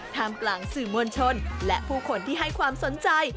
กลางกลางสื่อมวลชนและผู้คนที่ให้ความสนใจ